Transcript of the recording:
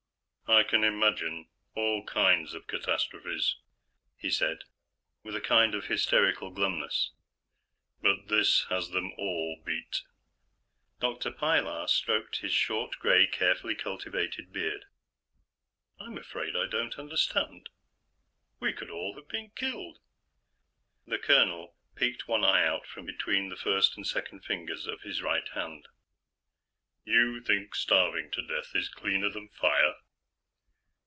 "I can imagine all kinds of catastrophes," he said, with a kind of hysterical glumness, "but this has them all beat." Dr. Pilar stroked his, short, gray, carefully cultivated beard. "I'm afraid I don't understand. We could all have been killed." The colonel peeked one out from between the first and second fingers of his right hand. "You think starving to death is cleaner than fire?"